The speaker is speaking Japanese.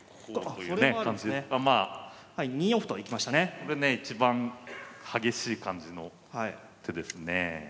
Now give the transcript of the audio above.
これね一番激しい感じの手ですね。